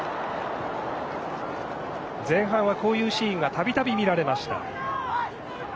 前半はこういうシーンがたびたび見られました。